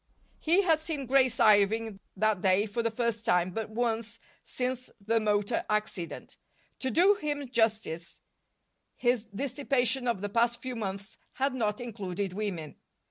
He had seen Grace Irving that day for the first time but once since the motor accident. To do him justice, his dissipation of the past few months had not included women.